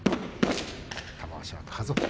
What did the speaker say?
玉鷲は家族と。